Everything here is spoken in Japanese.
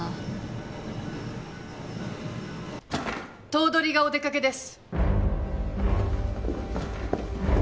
頭取がお出かけです。